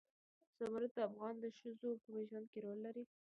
زمرد د افغان ښځو په ژوند کې رول لري.